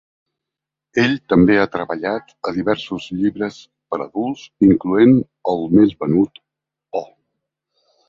Ell també ha treballat a diversos llibres per adults, incloent el més venut O.